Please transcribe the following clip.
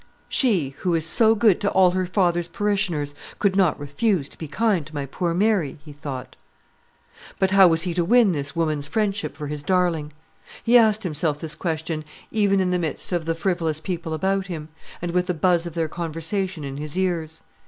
"She, who is so good to all her father's parishioners, could not refuse to be kind to my poor Mary?" he thought. But how was he to win this woman's friendship for his darling? He asked himself this question even in the midst of the frivolous people about him, and with the buzz of their conversation in his ears.